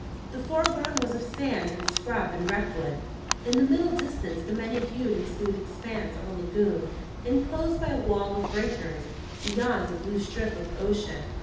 The foreground was of sand and scrub and wreckwood; in the middle distance the many hued and smooth expanse of a lagoon, enclosed by a wall of breakers; beyond, a blue strip of ocean.